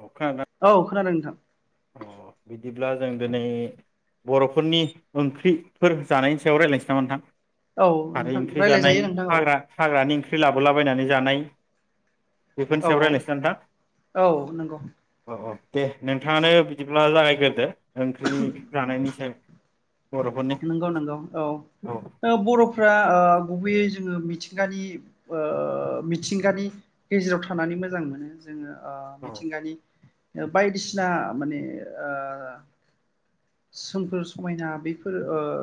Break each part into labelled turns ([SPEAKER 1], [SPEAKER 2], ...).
[SPEAKER 1] अ खोनादोंना
[SPEAKER 2] औ खोनादों नोंथां।
[SPEAKER 1] अ बिदिब्ला जों दिनै बर'फोरनि ओंख्रिफोर जानायनि सायाव रायज्लायनोसै नामा नोंथां?
[SPEAKER 2] औ
[SPEAKER 1] खारै
[SPEAKER 2] नोंथां
[SPEAKER 1] ओंख्रि जानाय
[SPEAKER 2] रायज्लायजायो नोंथां औ
[SPEAKER 1] हाग्रा हाग्रानि ओंख्रि लाबोलाबायनानै जानाय बेफोरनि
[SPEAKER 2] औ
[SPEAKER 1] सायाव रायलायनोसै
[SPEAKER 2] औ
[SPEAKER 1] नोंथां
[SPEAKER 2] औ नंगौ
[SPEAKER 1] औ औ। दे थाङानो बिदिब्ला जागायग्रोदो। ओंख्रिनि जानायनि सायाव‌।
[SPEAKER 2] नंगौ नंगौ औ बर'फ्रा गुबैयै जोङो मिथिंगानि मिथिंगानि गेजेराव थानानै मोजां मोनो जोङो
[SPEAKER 1] औ
[SPEAKER 2] मिथिंगानि बायदिसिना माने सोमखोर समायना बेफोर फोर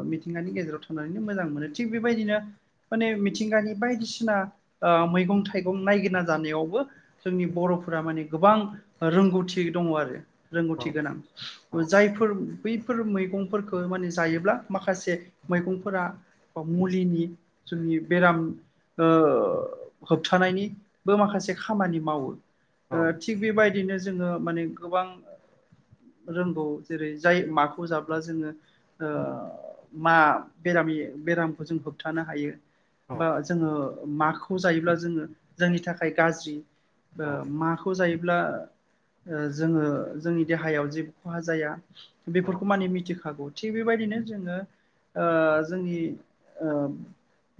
[SPEAKER 2] मिथिंगानि गेजेराव थानानैनो मोजां मोनो थिग बेबायदिनो माने मिथिंगानि बायदिसिना मैगं थाइगं नायगिरना जानायावबो जोंनि बर'फोरा माने गोबां रोंगौथि दङ आरो।
[SPEAKER 1] औ
[SPEAKER 2] रोंगौथि गोनां जायफोर बैफोर मैगंफोरखौ माने जायोब्ला माखासे मैगंफोरा बा मुलिनि जोंनि बेराम होबथानायनिबो माखासे खामानि मावो।
[SPEAKER 1] औ
[SPEAKER 2] थिग बेबायदिनो जोङो माने गोबां रोंगौ जेरै जाय माखौ जाब्ला जोङो मा बेरामि बेरामखौ जों होबथानो हायो
[SPEAKER 1] औ
[SPEAKER 2] बा जोङो माखौ खौ जायोब्ला जोङो जोंनि थाखाय गाज्रि
[SPEAKER 1] औ
[SPEAKER 2] माखौ जायो ब्ला जोङो जोंनि देहायाव जेबो खहा जाया। बेफोरखौ माने मिथिखागौ। थिग बेबायदिनो जोङो ओ जोंनि ओ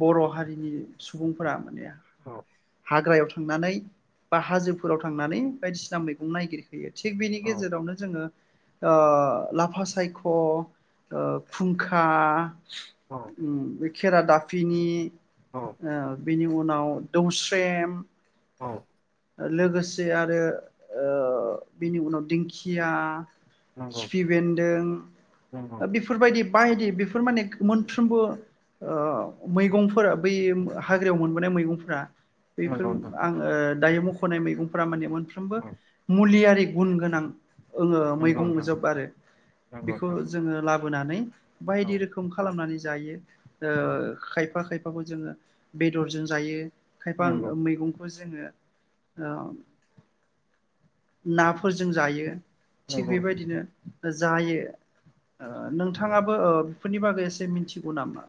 [SPEAKER 2] बर'हारिनि सुबुंफोरा माने।
[SPEAKER 1] औ
[SPEAKER 2] हाग्रायाव थांनानै बा हाजोफोराव थांनानै बायदिसिना मैगं नायगिरो। बियो थिग बेनि
[SPEAKER 1] औ
[SPEAKER 2] गेजेरावनो जोङो। ओ लाफा सायख'ओ फुंखा।
[SPEAKER 1] औ
[SPEAKER 2] उम बे खेरा दाफिनि
[SPEAKER 1] औ
[SPEAKER 2] ओ बिनि उनाव। दो अस। प्रेम
[SPEAKER 1] औ
[SPEAKER 2] लोगोसे आरो ओ बेनि उनाव दिंखिया।
[SPEAKER 1] नंगौ
[SPEAKER 2] खिफि
[SPEAKER 1] नंगौ
[SPEAKER 2] बेन्दों बेफोरबायदि बायदि बेफोर माने। मोनफ्रोमबो ओ मैगंफोरा बै हाग्रायाव मोनबोनाय मैगंफोरा बेफोर
[SPEAKER 1] नंगौ नोंथां
[SPEAKER 2] आं ओ दायो मख ख'नाय मैगंफोरा माने मोनफ्रोमबो
[SPEAKER 1] औ
[SPEAKER 2] मुलियारि। गुन गोनां। ङो
[SPEAKER 1] नंगौ नोंथां
[SPEAKER 2] मैगंजोब आरो
[SPEAKER 1] नंगौ
[SPEAKER 2] बेखौ
[SPEAKER 1] नोंथां
[SPEAKER 2] जोङो लाबोनानै
[SPEAKER 1] औ
[SPEAKER 2] बायदि रोखोम खालामनानै जायो। ओ
[SPEAKER 1] औ
[SPEAKER 2] खायफा खायफ खौ जोङो बेदरजों जायो। खायफा
[SPEAKER 1] नंगौ
[SPEAKER 2] मैगंखौ जोङो ओ नाफोरजों जायो। थिग
[SPEAKER 1] नंगौ नोंथां
[SPEAKER 2] बेबायदिनो जायो। ओ
[SPEAKER 1] अ
[SPEAKER 2] नोंथाङाबो ओ बे फोरनि बागै एसे मिथिगौ नामा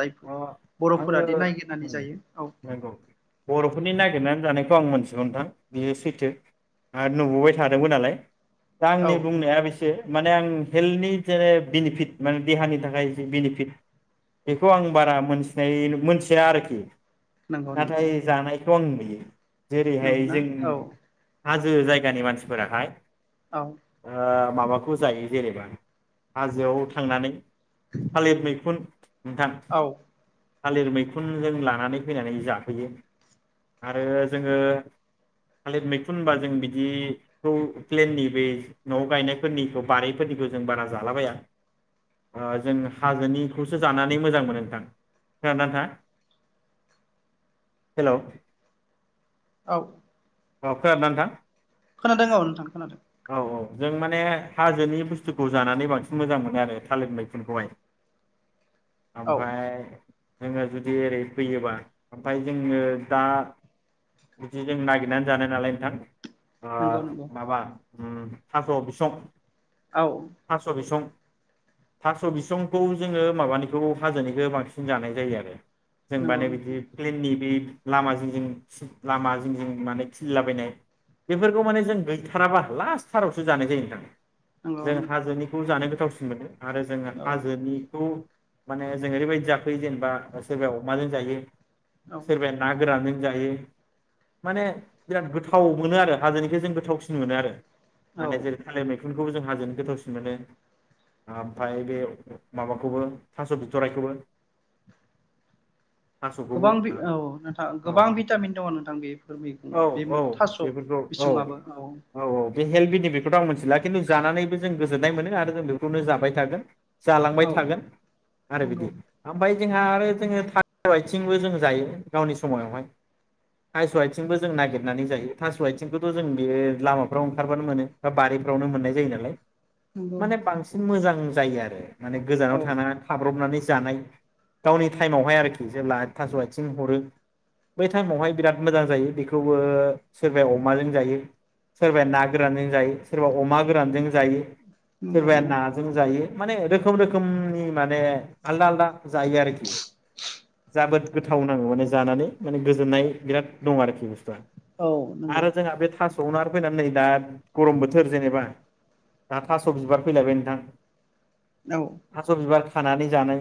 [SPEAKER 2] जायफोर?
[SPEAKER 1] आङो
[SPEAKER 2] बर'फोरादि नायगिरनानै जायो औ
[SPEAKER 1] नंगौ बर'फोरनि नागिरनानै जानायखौ आं मोनसे ओ नोंथां बियो सैथो आरो नुबोबाय थादोंमोन नालाय। दा
[SPEAKER 2] औ
[SPEAKER 1] आंनि बुंनाया बेसो। माने आं हेल्थनि जेने बेनिफिट माने देहानि थाखाय जि बेनिफिट बेखौ आं बारा मोनसि ओमफ्राय मिथिया आरोखि।
[SPEAKER 2] नंगौ नंगौ
[SPEAKER 1] नाथाय जानाय [unintelligible]
[SPEAKER 2] नंगौ
[SPEAKER 1] जेरैहाय
[SPEAKER 2] नंगौना
[SPEAKER 1] जों
[SPEAKER 2] औ
[SPEAKER 1] हाजो जायगानि मानसिफोराहाय
[SPEAKER 2] औ
[SPEAKER 1] ओ माबाखौ जायो जेनेबा हाजोआव थांनानै थालिर मैखुन नोंथां।
[SPEAKER 2] औ
[SPEAKER 1] थालिर मैखुन जों लानानै फैनानै जाफैयो आरो जोङो थालिर मैखुन होनोब्ला जों बिदिखौ प्लेननि बे न'आव गायनायफोरनिखौ बारिफोरनिखौ जों बारा जालाबाया ओ जों हाजोनिखौसो जानानै मोजां मोनो नोंथां। खोनादों ना नोंथाङा हेल'
[SPEAKER 2] औ।
[SPEAKER 1] औ खोनादों ना नोंथां?
[SPEAKER 2] खोनादों औ नोंथां खोनादों।
[SPEAKER 1] औ औ जों माने हाजोनि बुस्थुखौ जानानै बांसिन मोजां मोनो आरो थालिर मैखुनखौहाय।
[SPEAKER 2] औ
[SPEAKER 1] आमफ्राय जोङो जुदि ओरै फैयोबा ओमफ्राय जोङो दा जुदि जों नागिर नानै जानाय नालाय नोंथां। आ
[SPEAKER 2] नंगौ नंगौ
[SPEAKER 1] माबा ओम थास' बिसं
[SPEAKER 2] औ
[SPEAKER 1] थास' बिसं थास' बिसंखौ जोङो माबानिखौ हाजोनिखौ बांसिन जानाय जायो आरो जों
[SPEAKER 2] नंगौ
[SPEAKER 1] माने
[SPEAKER 2] नोंथां
[SPEAKER 1] बिदि प्लेननि बे लामा जिं जिं लामा जिं जिं माने खिलिलाबायनाय बेफोरखौ माने जों गैथाराबा लास्ट थारावसो जानाय जायो नोंथां।
[SPEAKER 2] नंगौ
[SPEAKER 1] जों हाजोनिखौ जानो गोथावसिन मोनो आरो जोङो
[SPEAKER 2] औ
[SPEAKER 1] हाजोनिखौ माने जों ओरैबायदि जा यो जेनबा सोरबाया अमाजों जायो
[SPEAKER 2] औ
[SPEAKER 1] सोरबाया ना गोरानजों जायो माने बिराद गोथाव मोनो आरो हाजोनिखौ जों गोथावसिन मोनो आरो
[SPEAKER 2] औ
[SPEAKER 1] माने जेरै थालिर मैखुन खौबो जों हाजोनिखौ गोथावसिन मोनो ओमफ्राय बे माबाखौबो थास' बिथ'रायखौबो।
[SPEAKER 2] गोबां भि औ नोंथां
[SPEAKER 1] औ
[SPEAKER 2] गोबां भिटामिन दङ नोंथां बेफोर
[SPEAKER 1] औ
[SPEAKER 2] मैगङाव। बे मै
[SPEAKER 1] औ
[SPEAKER 2] थास'
[SPEAKER 1] बेफोरखौ औ
[SPEAKER 2] बिसुङाबो औ
[SPEAKER 1] बे हेलट बेनिफिटखौथ' आं मिथि ला खिनथु जानानैबो जों गोजोन्नाय मोनो आरो जों बे खौनो जाबाय थागोन जालांबाय
[SPEAKER 2] औ
[SPEAKER 1] थागोन आरो
[SPEAKER 2] नंगौ
[SPEAKER 1] बिदि ओमफ्राय जोंहा आरो जोङो थास' आथिंबो जों जायो गावनि समावहाय थास' आथिंबो जों नागिरनानै जायो थास' आइथिंखौथ' जों बे लामाफ्राव ओंखारबानो मोनो बा बारिफ्रावनो मोननाय जायो नालाय
[SPEAKER 2] नंगौ
[SPEAKER 1] माने बांसिन मोजां जायो आरो माने
[SPEAKER 2] औ
[SPEAKER 1] गोजानाव थांनाङा खाब्रबनानै जानाय गावनि टाइमावहाय आरोखि जेब्ला थास' आइथिं हरो बै टाइमावहाय बिराद मोजां जायो बे बो सोरबाया अमाजों जायो सोरबाया ना गोरानजों जायो सोरबा अमा गोरानजों जायो
[SPEAKER 2] नंगौ
[SPEAKER 1] सोरबाया
[SPEAKER 2] नंगौ
[SPEAKER 1] नाजों जायो। माने रोखोम रोखोमनि माने आलदा आलदा जायो आरोखि
[SPEAKER 2] [inaudible]
[SPEAKER 1] जोबोद गोथाव नाङो माने जानानै माने गोजोननाय बिराद दं आरोखि
[SPEAKER 2] औ नंगौ
[SPEAKER 1] आरो जोंहा बे था- संना फैनानै नै दा गरम बोथोर जेनेबा दा थास' बिबार फैलायबाय नोंथां थास बिबार खानानै जानाय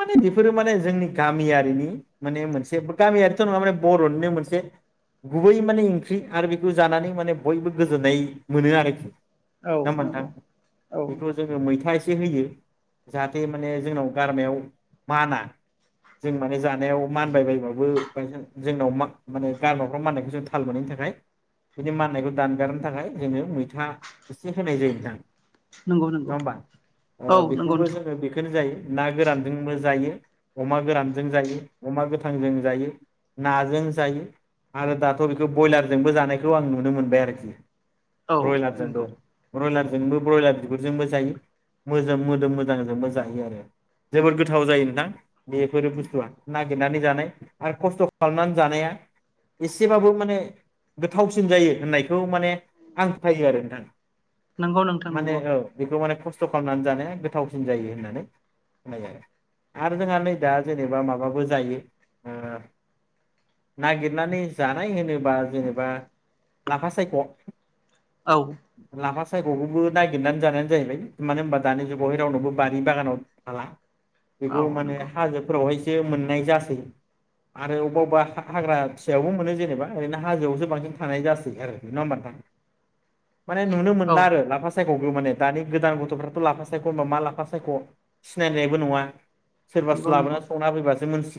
[SPEAKER 1] माने बेफोरो माने जोंनि गामियारिनि माने मोनसे गामियारिथ' नङा माने बर'निनो मोनसे गुबै माने ओंख्रि आरो बेखौ जानानै माने बयबो गोजोननाय मोनो आरोखि।
[SPEAKER 2] औ
[SPEAKER 1] न
[SPEAKER 2] औ
[SPEAKER 1] मोनथां
[SPEAKER 2] नंगौ औ
[SPEAKER 1] बेथ' जोङो मैथा ए से होयो जाहाथे माने जोंनाव गारामायाव माना जों माने जानायाव मानबायबायबाबो बायसेन जोंनाव मा गार ख्रम माननायखौ जों थाल मोननायनि थाखाय बिदि माननायखौ दानगारनो थाखाय जोङो मैथा एसे होनाय जायो नोंथां
[SPEAKER 2] नंगौ
[SPEAKER 1] नङा
[SPEAKER 2] नंगौ
[SPEAKER 1] होमबा अ
[SPEAKER 2] औ नंगौ
[SPEAKER 1] बेखौबो
[SPEAKER 2] नोंथां
[SPEAKER 1] जोङो बेखौनो जायो। ना गोरानजोंबो जायो अमा गोरानजों जायो अमा गोथांजों जायो नाजों जायो। आरो दाथ' बेखौ ब्रयलारजोंबो जानायखौ आं नुनो मोनबाय आरोखि।
[SPEAKER 2] औ
[SPEAKER 1] ब्रयलारजोंबो
[SPEAKER 2] नंगौ
[SPEAKER 1] ब्रयलार जोंबो ब्रयलार बिगुरजोंबो जायो मोदोम-मोदोम मोजांजोंबो जायो आरो जेबोर गोथाव जायो नोंथां। बेफोर बुस्थुआ ना- गिरनानै जानाय आरो खस्थ' खालामनानै जानाया एसेबाबो माने गोथावसिन जायो होननायखौ माने हास्थायो आरो नोंथां
[SPEAKER 2] नंगौ नोंथां
[SPEAKER 1] माने
[SPEAKER 2] नंगौ
[SPEAKER 1] औ बेखौ माने खस्थ' खालामनानै जानाया गोथावसिन जायो होननानै खनायो आरो आरो जोंहा नै दा जेनेबा माबाबो जायो अ नागिरनानै जानाय होनो बा जेनेबा लाफा सायख'
[SPEAKER 2] औ
[SPEAKER 1] लाफा सायगखौबो ननायागिरनानै जानायानो जाहैबाय मानो होनबा दानि जुगावहाय रावनावबो बारि बागानाव थाला। बेखौ
[SPEAKER 2] औ
[SPEAKER 1] माने
[SPEAKER 2] नंगौ
[SPEAKER 1] हाजोफोरावहाय मोननाय जासै आरो वावबा वावबा हाग्रा फिसायावबो मोनो जेनेबा ओरैनो हाजोआवसो बांसिन थानाय जासै आरो नोंङा ओमबा नोथां। माने नुनो
[SPEAKER 2] औ
[SPEAKER 1] मोनला आरो लाफा सा सायखो माने दानि गोदान गथफ्राथ लाफा सायख होनबा मा लाफा सायख सिनायनायबो नङा। सोरबासो
[SPEAKER 2] नंगौ
[SPEAKER 1] लाबोना
[SPEAKER 2] नंगौ
[SPEAKER 1] संना होफैबासो मोनथि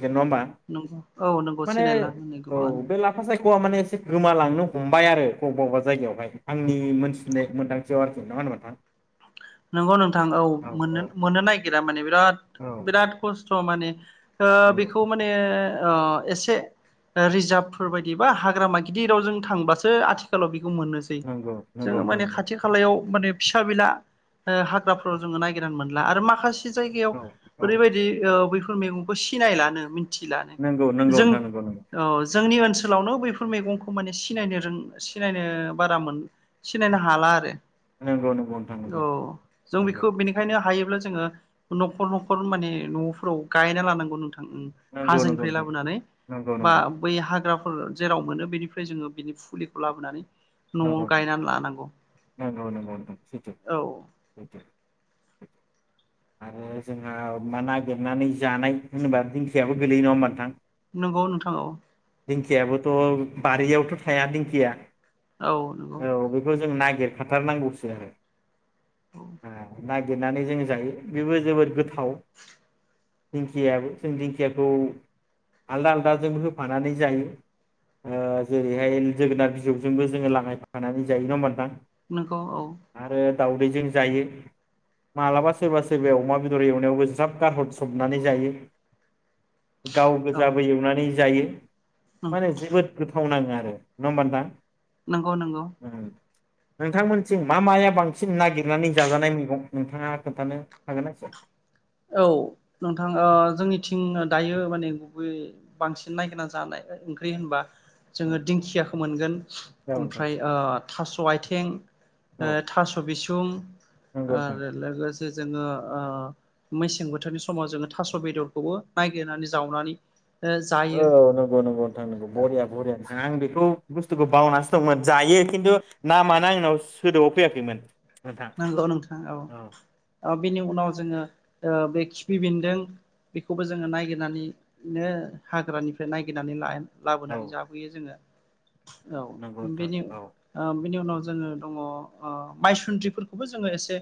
[SPEAKER 2] नंगौ औ नंगौ सिनायला होनो गोबाङानो
[SPEAKER 1] साइखौआ माने एसे गोमालांनो हमबाय आरो वावबा वावबा जायगायावहाय आंनि मोनथिनाय मोन्दांथियाव आरोखि नङा होनबा नोंथां?
[SPEAKER 2] नोंगौ नोंथां औ मोननो मोननो नागिरा माने बिराद
[SPEAKER 1] औ
[SPEAKER 2] बिराद खस्थ माने ओ बेखौ माने ओ एसे रिजार्भफोर बायदि बा हाग्रमा गिदिर रावजों थांबासो आथिखालाव मोनसै
[SPEAKER 1] नंगौ नंगौ नंगौ
[SPEAKER 2] जोंङो
[SPEAKER 1] नोंथां
[SPEAKER 2] माने
[SPEAKER 1] नंगौ
[SPEAKER 2] खाथिखालयाव माने फिसाबिला ओ हाग्राफोराव जोङो नायगिरनानै मोनला आरो माखासे जायगायाव
[SPEAKER 1] औ
[SPEAKER 2] ओरै
[SPEAKER 1] नोंथां
[SPEAKER 2] बायदि ओ बैफो मैगंखौ सिनायलानो मिन
[SPEAKER 1] नंगौ नंगौ नोंथां नंगौ नंगौ
[SPEAKER 2] जोंनि ओनसोलावनो बैफोर मैगंखौ माने सिनायनो रों सिनायनो बारा मोन सिनायनो हाला आरो
[SPEAKER 1] नोंगौ नोंगौ
[SPEAKER 2] औ जों बेखौ बेनिखायनो हायो ब्ला जोङो नखर नखर माने नफोराव गायना लानांगौ नोंथां
[SPEAKER 1] नंगौ नंगौ
[SPEAKER 2] हाजोनिफ्राय
[SPEAKER 1] नोंथां
[SPEAKER 2] लाबोनानै
[SPEAKER 1] नंगौ नंगौ
[SPEAKER 2] बा बै हाग्रा ब जेराव मोनो बेनिफ्राय जोङो बिनि फुलिखौ लाबोनानै
[SPEAKER 1] नंगौ
[SPEAKER 2] न'आव
[SPEAKER 1] नोंथां
[SPEAKER 2] गायनानै लानांगौ
[SPEAKER 1] नंगौ नंगौ नोंथां सैथो
[SPEAKER 2] औ
[SPEAKER 1] सैथो आरो जोंहा मा नागिरनानै जानाय होनोबा दिंखियाबो गोलैयो नङा होनबा नोंथां
[SPEAKER 2] नंगौ नोंथां औ
[SPEAKER 1] दिंखियाबोथ बारियावथ थाया दिंखिया
[SPEAKER 2] औ नंगौ
[SPEAKER 1] गिरखाथारनांगौसो आरो
[SPEAKER 2] औ
[SPEAKER 1] आह नागिरनानै जोंङो जायो बेबो जोबोद गोथाव दिंखियाबो जों दिंखियाखौ आलदा आलदाजोंबो होफानानै जायो ओ जेरैहाय जोगोनार बिजौ जोंबो जोङो लागाय फानानै जायो नङा होमाबा नोंथां
[SPEAKER 2] नंगौ औ
[SPEAKER 1] दावदैजों जायो मालाबा सोरबा सोरबाया अमा बेदर एवनायावबो ज्राब गारहर सबनानै जायो गाव
[SPEAKER 2] औ
[SPEAKER 1] गोजाबो एवनानै जायो माने
[SPEAKER 2] नंगौ
[SPEAKER 1] जोबोद गोथाव नाङो आरो नंङा होनबा नोंथां
[SPEAKER 2] नंगौ नंगौ
[SPEAKER 1] उम। नोंथांमोनथिं मा माया बांसिन नागिरनानै जाजानाय मैगं नोंथाङा खोन्थानो हागोन ना एसे
[SPEAKER 2] औ नोंथां जोंनिथिं ओ दायो माने गुबै बांसिन नागिरना जानाय ओंख्रि होनबा
[SPEAKER 1] औ
[SPEAKER 2] जोङो दिंखियाखौ मोनगोन
[SPEAKER 1] जागोन नोंथां
[SPEAKER 2] ओमफ्राय ओ थास आइथिं
[SPEAKER 1] औ
[SPEAKER 2] थास बिसुं
[SPEAKER 1] नंगौ नोंथां
[SPEAKER 2] ओ लोगोसे जोङो ओ मेसें बोथोरनि समाव जोङो थास बेदरखौबो नायगिरनानै जावनानै ओ
[SPEAKER 1] औ
[SPEAKER 2] जायो
[SPEAKER 1] नंगौ नंगौ नोंथां नंगौ बरिया बरिया नोंथां आं बेखौ बुस्थुखौ बावनानैसो दंमोन जायो खिन्थु नामानो आंनाव सोदोबआव फैयाखैमोन नोंथां
[SPEAKER 2] नोंगौ नोंथां औ बेनि उनाव जोङो बे खिफि बेन्दों बेखौबो जोङो नागिरनानैनो हाग्रानिफ्राय नागिरनानै ला
[SPEAKER 1] औ
[SPEAKER 2] लाबोनानै जाफैयो जोङो औ
[SPEAKER 1] नंगौ नोंथां
[SPEAKER 2] बेनि
[SPEAKER 1] औ
[SPEAKER 2] ओ बेनि उनाव जों दङ ओ मायसुन्द्रि बेफोरखौबो जोङो एसे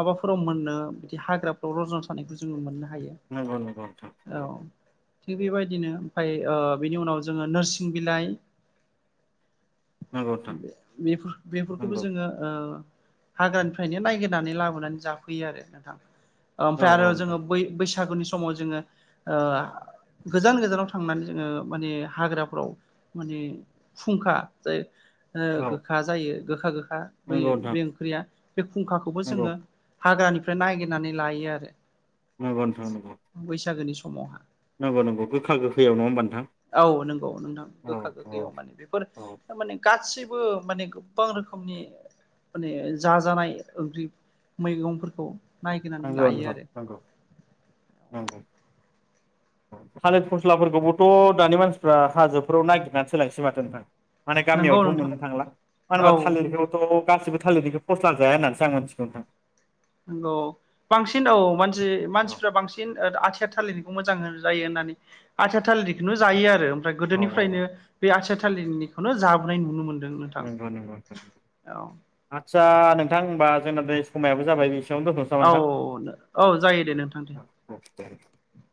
[SPEAKER 2] माबाफोराव मोनो बिदि हाग्राफोराव रजन थानायखौ जोङो मोननो हायो
[SPEAKER 1] नंगौ नंगौ नोंथां औ
[SPEAKER 2] थिग बेबायदिनो ओमफ्राय बिनि उनाव जोङो नोरसिं बिलाइ
[SPEAKER 1] नंगौ नोंथां
[SPEAKER 2] बेफोर बेफोरखौबो
[SPEAKER 1] नंगौ
[SPEAKER 2] जोङो ओ हाग्रानिफ्रायनो नायगिरनानै लाबोनानै जाफैयो आरो नोंथां
[SPEAKER 1] औ
[SPEAKER 2] आफ्राय आरो
[SPEAKER 1] औ
[SPEAKER 2] जोङो
[SPEAKER 1] नोंथां
[SPEAKER 2] बै बैसाग बैसागुनि समाव जोङो गोजान गोजानाव थांनानै जोङो माने हाग्राफ्राव माने फुंखा जाय
[SPEAKER 1] औ
[SPEAKER 2] गोखा जायो गोखा गो खा बे
[SPEAKER 1] नंगौ नोंथां
[SPEAKER 2] बै ओंख्रिया फुंखाखौबो
[SPEAKER 1] नंगौ
[SPEAKER 2] जोङो हाग्रानिफ्राय नागिरनानै लायो आरो
[SPEAKER 1] नंगौ नोंथां नंगौ
[SPEAKER 2] बैसागोनि समावहा
[SPEAKER 1] नंगौ नंगौ गोखा गोखैयाव नङा होमबा नोंथां
[SPEAKER 2] औ नंगौ नोंथां
[SPEAKER 1] औ
[SPEAKER 2] गोखा
[SPEAKER 1] औ
[SPEAKER 2] गोखैयाव माने
[SPEAKER 1] औ
[SPEAKER 2] बेफोरमाने गासिब। माने गोबां रोखनि माने। जा जानाय ओंख्रृफ मैगंफोरखौ। नायगिरनानै
[SPEAKER 1] आंगौ
[SPEAKER 2] लायो
[SPEAKER 1] नोंथां
[SPEAKER 2] आरो
[SPEAKER 1] नांगौ। नंगौ थालिर फस्लाफोरखौबोथ दानि मानसिफ्रा हाजोफोराव नागिरनानै सीलायसौ माथो नोंथां। माने
[SPEAKER 2] नंगौ
[SPEAKER 1] गामियावथ
[SPEAKER 2] नोंथां
[SPEAKER 1] मोननो थांला मानो
[SPEAKER 2] औ
[SPEAKER 1] होनबा
[SPEAKER 2] नंगौ
[SPEAKER 1] थालिरखौथ गासिबो--। थाललिरनिखो फस्ला जाया होननानैसो आं मोन्थिगौ नींथां।
[SPEAKER 2] नंगौ बांसिन औ मानसि-। मानसिफ्रा बांसिन ओद आथिया-। थालिरनिखौ मोजां जायो होननानै आथिया थालिरखौनो जायो आरो । गोदोनिफ्रायनो बे आथिया--। थालिरनिखौनो जाबोनाय नुनो मोनो ।
[SPEAKER 1] नंगौ नंगौ आच्छ दा नोंथां होनबा जोंना बे समायाबो जाबाय बेसे
[SPEAKER 2] औ औ जायो दे नोंथां दे
[SPEAKER 1] दे
[SPEAKER 2] ।